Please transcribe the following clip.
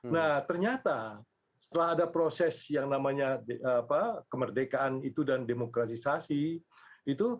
nah ternyata setelah ada proses yang namanya kemerdekaan itu dan demokratisasi